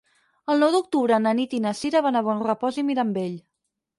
El nou d'octubre na Nit i na Cira van a Bonrepòs i Mirambell.